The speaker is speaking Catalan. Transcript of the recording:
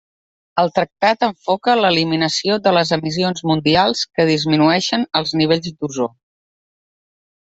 El tractat enfoca l'eliminació de les emissions mundials que disminueixen els nivells d’ozó.